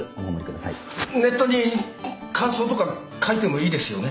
ネットに感想とか書いてもいいですよね？